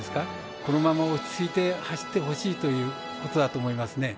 この馬も落ち着いて走ってほしいということだと思いますね。